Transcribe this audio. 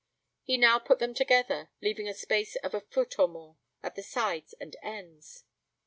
He now put them together, leaving a space of a foot or more at the sides and ends.